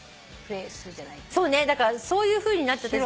そうねだからそういうふうになっちゃってる。